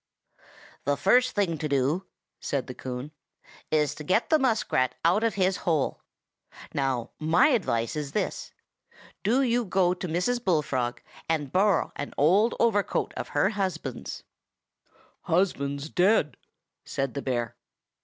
"The first thing to do," said Coon, "is to get the muskrat out of his hole. Now, my advice is this: do you go to Mrs. Bullfrog, and borrow an old overcoat of her husband's." "Husband's dead," said the bear.